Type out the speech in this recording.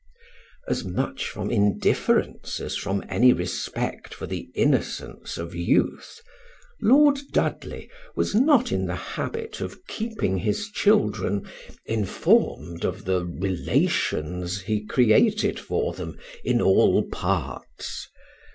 As much from indifference as from any respect for the innocence of youth, Lord Dudley was not in the habit of keeping his children informed of the relations he created for them in all parts.